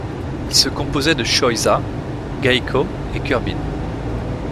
Il se composait de Choiza, Gaeko et Curbin.